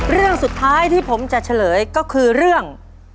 เรื่องสุดท้ายที่ผมจะเฉลยก็คือเรื่อง